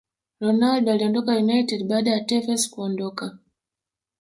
Ronaldo aliondoka United baada ya Tevez kuondoka